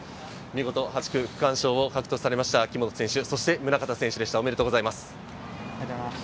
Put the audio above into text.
８区区間賞を獲得されました木本選手、宗像選手でした。